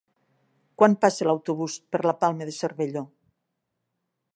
Quan passa l'autobús per la Palma de Cervelló?